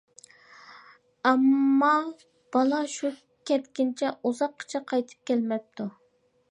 ئەمما بالا شۇ كەتكەنچە ئۇزاققىچە قايتىپ كەلمەپتۇ.